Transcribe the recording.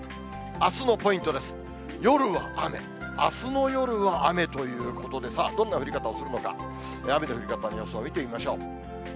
あすの夜は雨ということで、さあ、どんな降り方をするのか、雨の降り方の予想を見てみましょう。